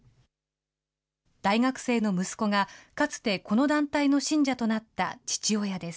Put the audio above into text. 大学生の息子が、かつてこの団体の信者となった父親です。